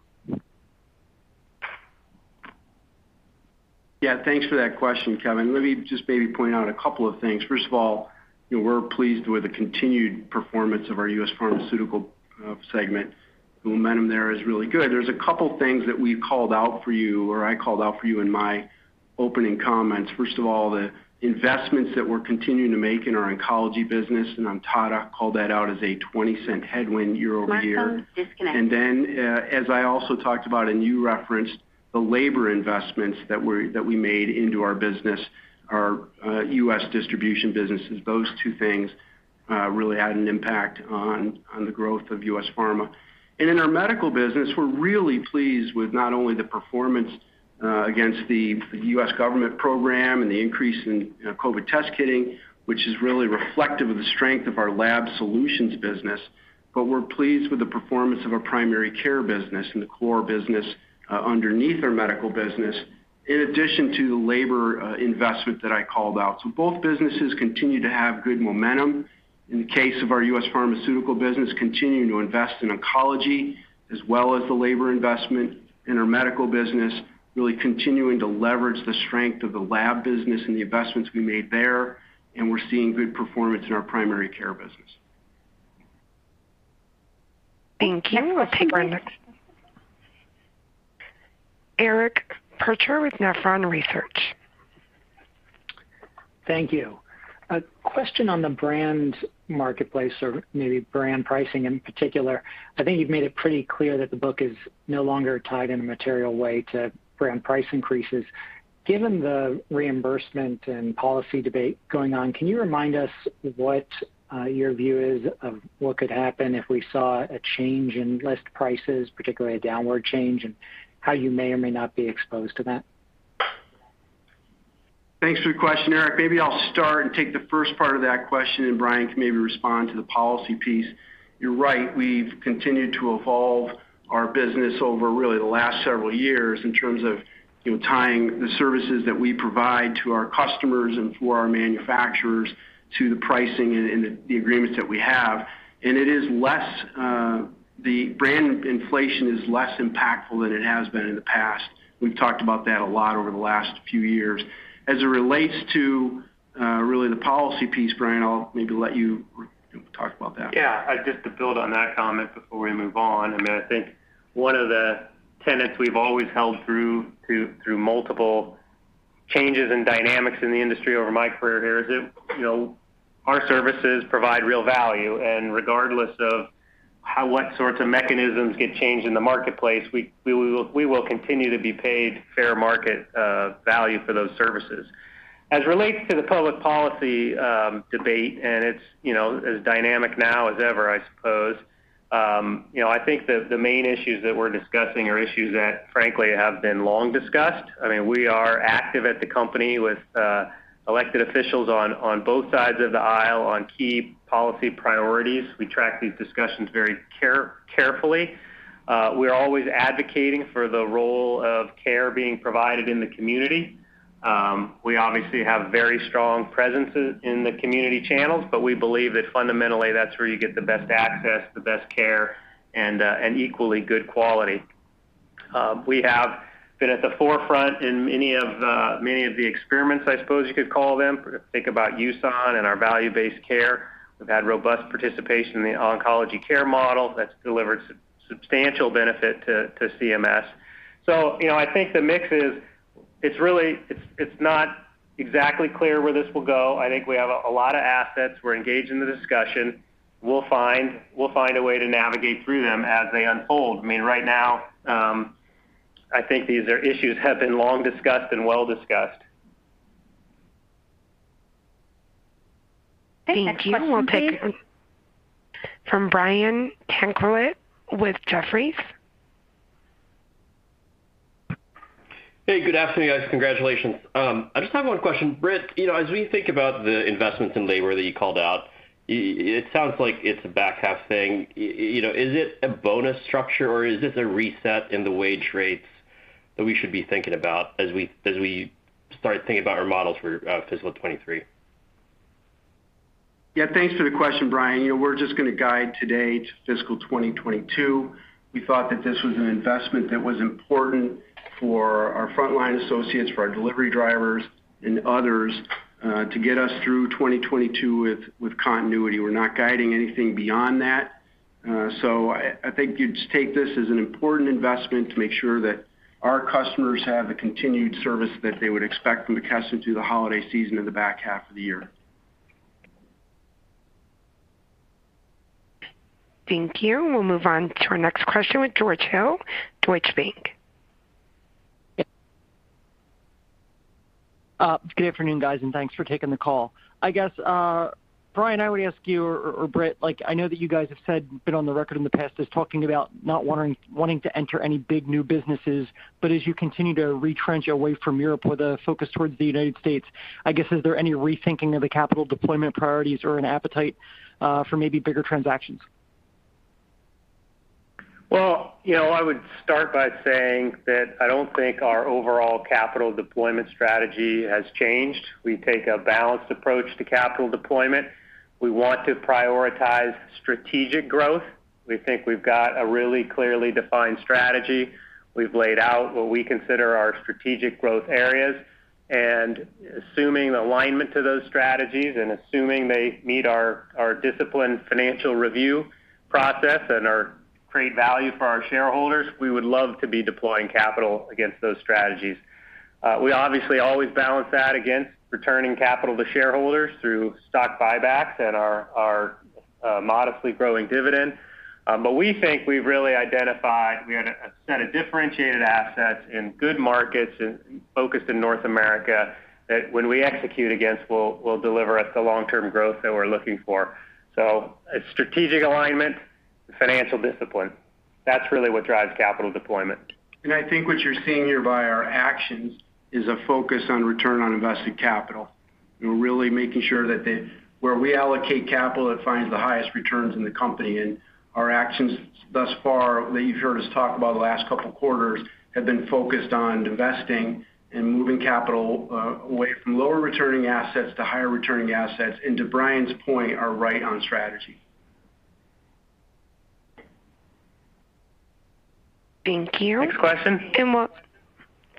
Yeah, thanks for that question, Kevin. Let me just maybe point out a couple of things. First of all, you know, we're pleased with the continued performance of our U.S. Pharmaceutical segment. The momentum there is really good. There's a couple things that we called out for you, or I called out for you in my opening comments. First of all, the investments that we're continuing to make in our oncology business, and Ontada called that out as a $0.20 headwind year-over-year. As I also talked about, and you referenced the labor investments that we made into our business, our U.S. distribution businesses. Those two things really had an impact on the growth of U.S. Pharma. In our medical business, we're really pleased with not only the performance against the U.S. government program and the increase in, you know, COVID test kitting, which is really reflective of the strength of our lab solutions business. We're pleased with the performance of our primary care business and the core business underneath our medical business, in addition to the labor investment that I called out. Both businesses continue to have good momentum. In the case of our U.S. Pharmaceutical business, continuing to invest in oncology as well as the labor investment in our medical business, really continuing to leverage the strength of the lab business and the investments we made there, and we're seeing good performance in our primary care business. Thank you. We'll take our next question from Eric Percher with Nephron Research. Thank you. A question on the brand marketplace or maybe brand pricing in particular. I think you've made it pretty clear that the book is no longer tied in a material way to brand price increases. Given the reimbursement and policy debate going on, can you remind us what your view is of what could happen if we saw a change in list prices, particularly a downward change, and how you may or may not be exposed to that? Thanks for your question, Eric Percher. Maybe I'll start and take the first part of that question, and Brian can maybe respond to the policy piece. You're right. We've continued to evolve our business over really the last several years in terms of, you know, tying the services that we provide to our customers and to our manufacturers, to the pricing and the agreements that we have. It is less, the brand inflation is less impactful than it has been in the past. We've talked about that a lot over the last few years. As it relates to, really the policy piece, Brian, I'll maybe let you talk about that. Yeah. Just to build on that comment before we move on. I mean, I think one of the tenets we've always held through multiple changes in dynamics in the industry over my career here is that, you know, our services provide real value. Regardless of what sorts of mechanisms get changed in the marketplace, we will continue to be paid fair market value for those services. As it relates to the public policy debate, and it's, you know, as dynamic now as ever, I suppose. I think the main issues that we're discussing are issues that, frankly, have been long discussed. I mean, we are active at the company with elected officials on both sides of the aisle on key policy priorities. We track these discussions very carefully. We are always advocating for the role of care being provided in the community. We obviously have very strong presences in the community channels, but we believe that fundamentally that's where you get the best access, the best care, and equally good quality. We have been at the forefront in many of the experiments, I suppose you could call them. Think about US Oncology and our value-based care. We've had robust participation in the Oncology Care Model that's delivered substantial benefit to CMS. You know, I think the mix is it's really not exactly clear where this will go. I think we have a lot of assets. We're engaged in the discussion. We'll find a way to navigate through them as they unfold. I mean, right now, I think these issues have been long discussed and well discussed. Thank you. We'll take from Brian Tanquilut with Jefferies. Hey, good afternoon, guys. Congratulations. I just have one question. Britt, you know, as we think about the investments in labor that you called out, it sounds like it's a back half thing. You know, is it a bonus structure, or is this a reset in the wage rates that we should be thinking about as we start thinking about our models for fiscal 2023? Yeah, thanks for the question, Brian. You know, we're just gonna guide today to fiscal 2022. We thought that this was an investment that was important for our frontline associates, for our delivery drivers and others, to get us through 2022 with continuity. We're not guiding anything beyond that. I think you'd just take this as an important investment to make sure that our customers have the continued service that they would expect from McKesson through the holiday season and the back half of the year. Thank you. We'll move on to our next question with George Hill, Deutsche Bank. Good afternoon, guys, and thanks for taking the call. I guess, Brian, I would ask you or Britt, like, I know that you guys have said been on the record in the past as talking about not wanting to enter any big new businesses. As you continue to retrench away from Europe with a focus towards the United States, I guess, is there any rethinking of the capital deployment priorities or an appetite for maybe bigger transactions? Well, you know, I would start by saying that I don't think our overall capital deployment strategy has changed. We take a balanced approach to capital deployment. We want to prioritize strategic growth. We think we've got a really clearly defined strategy. We've laid out what we consider our strategic growth areas. Assuming alignment to those strategies and assuming they meet our disciplined financial review process and create value for our shareholders, we would love to be deploying capital against those strategies. We obviously always balance that against returning capital to shareholders through stock buybacks and our modestly growing dividend. We think we've really identified we had a set of differentiated assets in good markets and focused in North America that when we execute against will deliver us the long-term growth that we're looking for. A strategic alignment, financial discipline, that's really what drives capital deployment. I think what you're seeing here via our actions is a focus on return on invested capital. We're really making sure that where we allocate capital, it finds the highest returns in the company. Our actions thus far that you've heard us talk about the last couple quarters have been focused on investing and moving capital, away from lower returning assets to higher returning assets, and to Brian's point, are right on strategy. Thank you. Next question.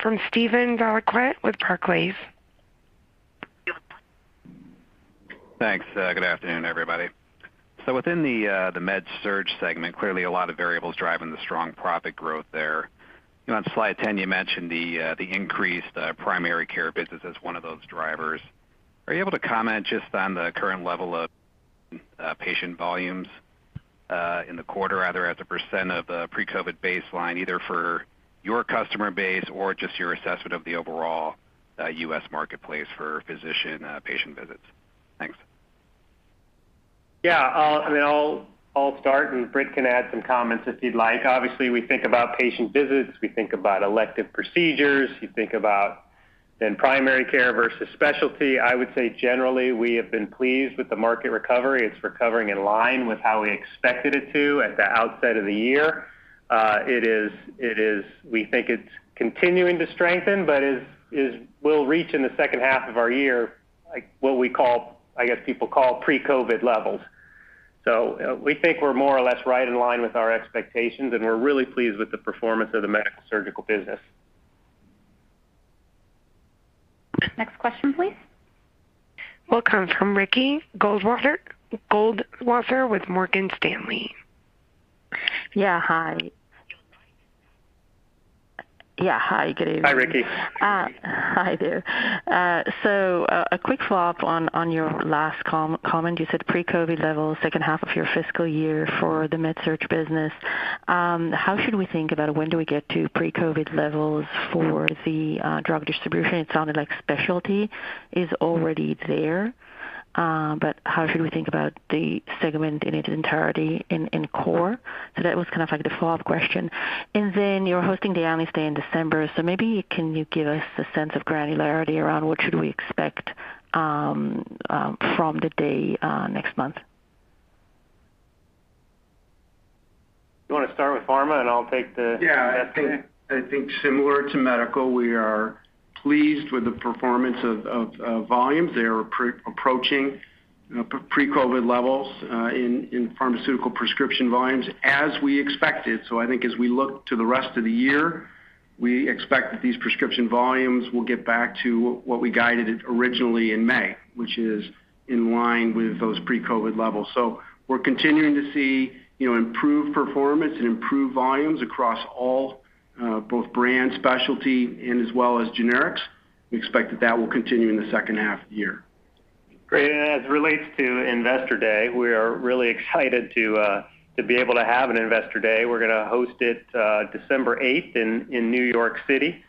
From Steven Valiquette with Barclays. Thanks. Good afternoon, everybody. Within the Med-Surg segment, clearly a lot of variables driving the strong profit growth there. You know, on slide 10, you mentioned the increased primary care business as one of those drivers. Are you able to comment just on the current level of patient volumes in the quarter, either as a percentage of the pre-COVID baseline, either for your customer base or just your assessment of the overall U.S. marketplace for physician patient visits? Thanks. Yeah. I mean, I'll start, and Britt can add some comments if he'd like. Obviously, we think about patient visits. We think about elective procedures. You think about then primary care versus specialty. I would say generally, we have been pleased with the market recovery. It's recovering in line with how we expected it to at the outset of the year. We think it's continuing to strengthen, but will reach in the second half of our year, like what we call, I guess, people call pre-COVID levels. We think we're more or less right in line with our expectations, and we're really pleased with the performance of the Medical-Surgical business. Next question, please. Welcome from Ricky Goldwasser with Morgan Stanley. Yeah, hi, good evening. Hi, Ricky. Hi there. A quick follow-up on your last comment. You said pre-COVID levels second half of your fiscal year for the med-surg business. How should we think about when do we get to pre-COVID levels for the drug distribution? It sounded like specialty is already there, but how should we think about the segment in its entirety in core? That was kind of like the follow-up question. You're hosting the Analyst Day in December, so maybe can you give us a sense of granularity around what should we expect from the day next month? You want to start with pharma and I'll take the Yeah, I think similar to medical, we are pleased with the performance of volumes. They are approaching pre-COVID levels in pharmaceutical prescription volumes as we expected. I think as we look to the rest of the year, we expect that these prescription volumes will get back to what we guided to originally in May, which is in line with those pre-COVID levels. We're continuing to see, you know, improved performance and improved volumes across all both brand specialty and as well as generics. We expect that will continue in the second half of the year. Great. As it relates to Investor Day, we are really excited to be able to have an Investor Day. We're gonna host it 8 December in New York City.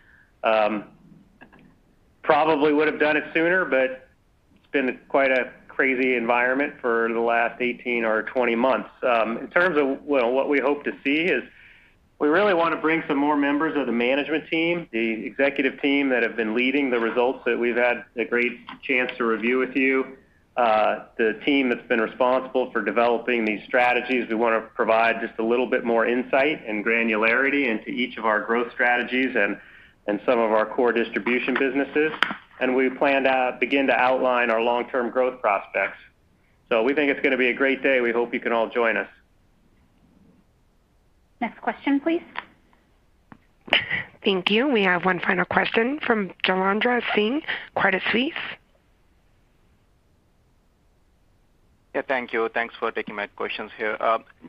Probably would have done it sooner, but it's been quite a crazy environment for the last 18 or 20 months. In terms of, well, what we hope to see is we really want to bring some more members of the management team, the executive team that have been leading the results that we've had a great chance to review with you. The team that's been responsible for developing these strategies. We want to provide just a little bit more insight and granularity into each of our growth strategies and some of our core distribution businesses. We plan to begin to outline our long-term growth prospects. We think it's going to be a great day. We hope you can all join us. Next question, please. Thank you. We have one final question from Jailendra Singh, Credit Suisse. Yeah, thank you. Thanks for taking my questions here.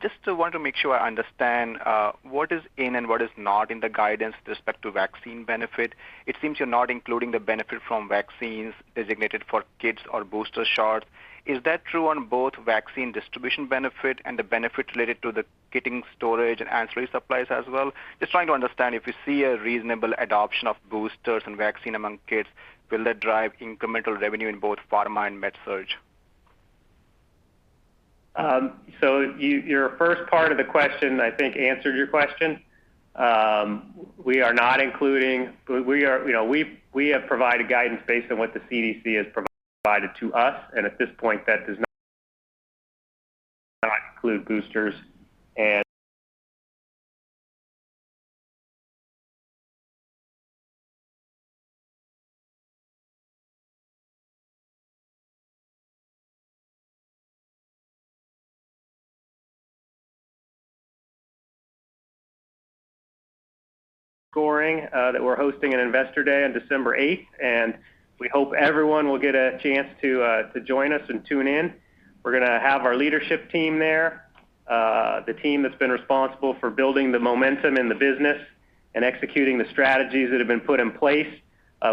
Just wanted to make sure I understand what is in and what is not in the guidance with respect to vaccine benefit. It seems you're not including the benefit from vaccines designated for kids or booster shots. Is that true on both vaccine distribution benefit and the benefit related to the kitting storage and ancillary supplies as well? Just trying to understand if you see a reasonable adoption of boosters and vaccine among kids, will that drive incremental revenue in both pharma and med-surg? Your first part of the question, I think that answered your question. We are not including. You know, we have provided guidance based on what the CDC has provided to us, and at this point, that does not include boosters and sourcing, that we're hosting an Investor Day on 8 December, and we hope everyone will get a chance to join us and tune in. We're going to have our leadership team there, the team that's been responsible for building the momentum in the business and executing the strategies that have been put in place.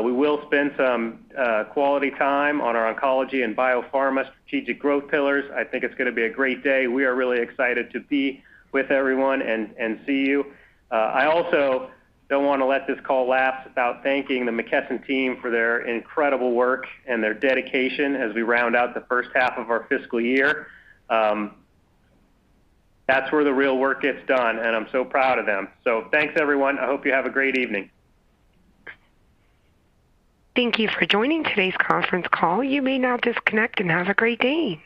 We will spend some quality time on our oncology and biopharma strategic growth pillars. I think it's going to be a great day. We are really excited to be with everyone and see you. I also don't want to let this call lapse without thanking the McKesson team for their incredible work and their dedication as we round out the first half of our fiscal year. That's where the real work gets done, and I'm so proud of them. Thanks, everyone. I hope you have a great evening. Thank you for joining today's conference call. You may now disconnect and have a great day.